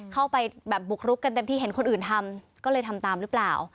เข้าไปแบบบุกรุกกันเต็มที่เห็นคนอื่นทำก็เลยทำตามหรือเปล่า